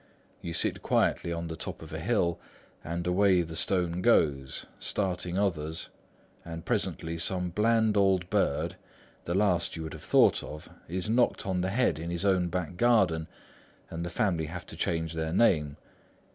You sit quietly on the top of a hill; and away the stone goes, starting others; and presently some bland old bird (the last you would have thought of) is knocked on the head in his own back garden and the family have to change their name.